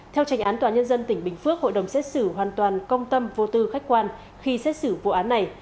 theo tranh án tòa nhân dân tỉnh bình phước hội đồng xét xử hoàn toàn công tâm vô tư khách quan khi xét xử vụ án này